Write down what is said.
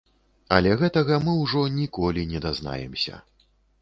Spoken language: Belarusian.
Але гэтага мы ўжо ніколі не дазнаемся.